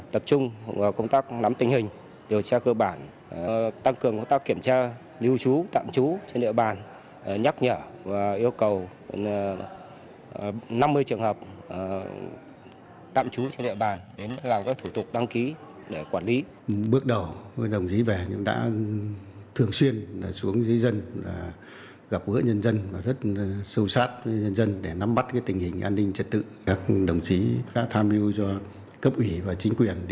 tập trung vào công tác nắm tình hình điều tra cơ bản tăng cường công tác kiểm tra lưu trú tạm trú trên địa bàn nhắc nhở và yêu cầu năm mươi trường hợp tạm trú trên địa bàn để làm các thủ tục đăng ký để quản lý